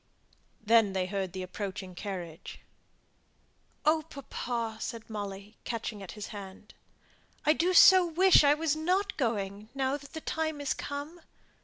Then they heard the approaching carriage. "Oh, papa," said Molly, catching at his hand, "I do so wish I wasn't going, now that the time is come."